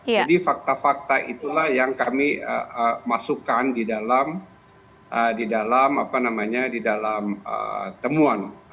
jadi fakta fakta itulah yang kami masukkan di dalam temuan